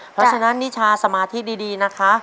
เพราะฉะนั้นนิชาสมาธิดีนะคะ